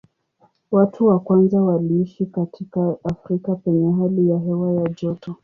Watu wa kwanza waliishi katika Afrika penye hali ya hewa ya joto.